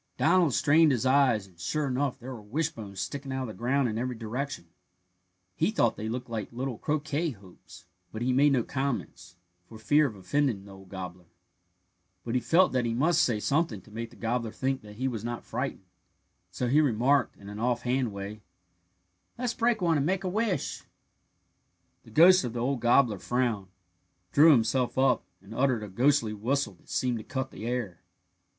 Donald strained his eyes, and, sure enough, there were wishbones sticking out of the ground in every direction. He thought they looked like little croquet hoops, but he made no comments, for fear of offending the old gobbler. But he felt that he must say something to make the gobbler think that he was not frightened, so he remarked, in an offhand way: "Let's break one and make a wish." The ghost of the old gobbler frowned, drew himself up, and uttered a ghostly whistle that seemed to cut the air.